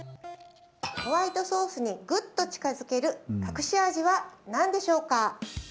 ホワイトソースにぐっと近づける隠し味は何でしょうか？